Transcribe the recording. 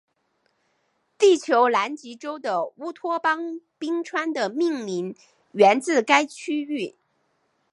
地球南极洲的乌托邦冰川的命名源自该区域。